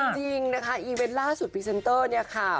จริงนะคะอีเวนต์ล่าสุดพรีเซนเตอร์เนี่ยค่ะ